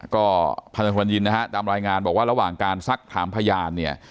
ก็พันธบทมันยินฯตามรายงานบอกว่าระหว่างการซักถามพยาน